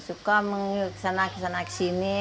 suka kesana kesana kesini